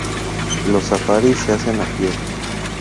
Los safaris se hacen a pie.